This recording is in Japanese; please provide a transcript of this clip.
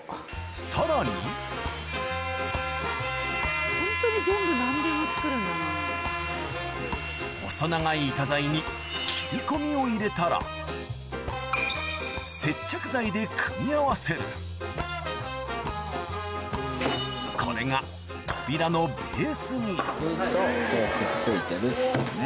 さらに細長い板材に切り込みを入れたら接着剤で組み合わせるこれがこうくっついてるっていうね。